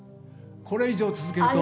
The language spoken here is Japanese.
これ以上続けると。